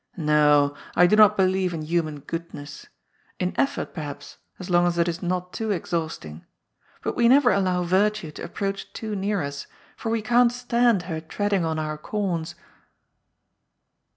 No, I do not believe in human goodness. In effort, perhaps, as long as it is not too exhausting. But we never allow Virtue to approach too near us, for we can^t ^ stand her treading on our corns."